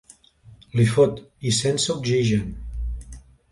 Li fot, i sense oxigen!